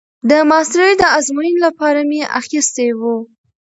د ماسترۍ د ازموينې لپاره مې اخيستي وو.